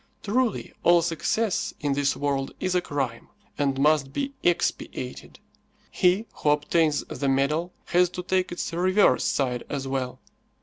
Truly, all success in this world is a crime, and must be expiated. He who obtains the medal has to take its reverse side as well.